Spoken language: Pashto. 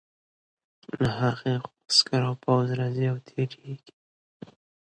له هغې خوا عسکر او پوځ راځي او تېرېږي.